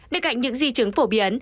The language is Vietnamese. để cạnh những di chứng phổ biến